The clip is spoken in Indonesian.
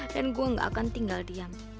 dan gue gak akan tinggal diam